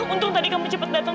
untung tadi kamu cepat datang